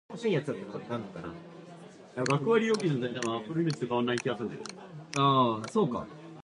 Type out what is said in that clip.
He followed the princes into exile, and lived for some years in London.